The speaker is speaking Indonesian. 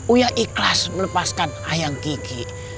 uya ikhlas melepaskan ayang kiki